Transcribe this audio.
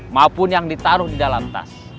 maupun yang ditaruh di dalam tas